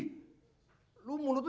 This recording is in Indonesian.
lu mulut lu jangan ngepet